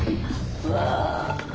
うわ。